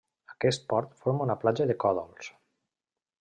Aquest port forma una platja de còdols.